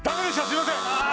すいません！